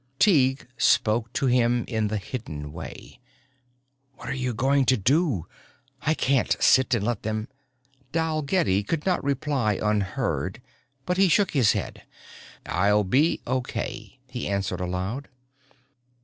Tighe spoke to him in the hidden way. _What are you going to do? I can't sit and let them _ Dalgetty could not reply unheard but he shook his head. "I'll be okay," he answered aloud.